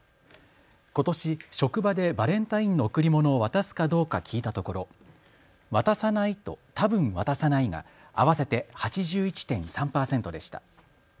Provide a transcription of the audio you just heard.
ことし、職場でバレンタインの贈り物を渡すかどうか聞いたところ渡さないとたぶん渡さないが合わせて８１．３％でした。